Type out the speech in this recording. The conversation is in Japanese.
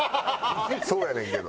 そうやねんけど。